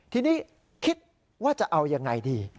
ทีนี้คิดว่าจะเอายังไงดี